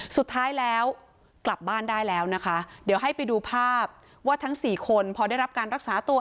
สุดท้ายแล้วกลับบ้านได้แล้วนะคะเดี๋ยวให้ไปดูภาพว่าทั้งสี่คนพอได้รับการรักษาตัว